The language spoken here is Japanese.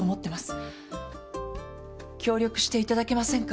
協力していただけませんか？